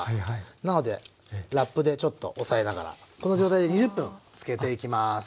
なのでラップでちょっと押さえながらこの状態で２０分つけていきます。